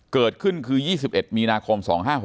เกิดขึ้นคือ๒๑มีนาคม๒๕๖๖